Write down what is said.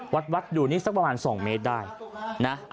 ละวัดดูนี่สักประมาณสองเมตรได้นะ